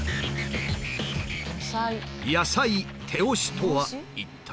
「野菜手押し」とは一体？